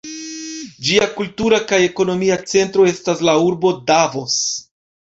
Ĝia kultura kaj ekonomia centro estas la urbo Davos.